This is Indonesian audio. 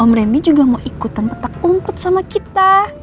om rendy juga mau ikutan petak umpet sama kita